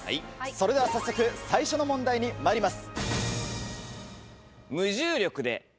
それでは早速最初の問題にまいります。